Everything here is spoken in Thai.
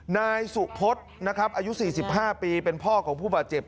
นายสุพศนะครับอายุ๔๕ปีเป็นพ่อของผู้บาดเจ็บ